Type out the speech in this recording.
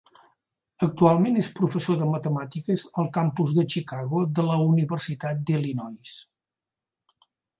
Actualment és professor de matemàtiques al campus de Chicago de la Universitat d'Illinois.